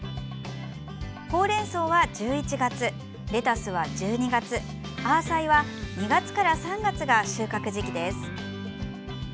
ほうれんそうは１１月レタスは１２月アーサイは２月から３月が収穫時期です。